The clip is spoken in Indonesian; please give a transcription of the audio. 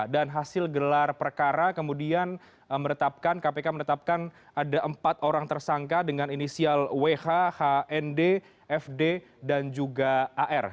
dan hasil gelar perkara kemudian kpk menetapkan ada empat orang tersangka dengan inisial wh hnd fd dan juga ar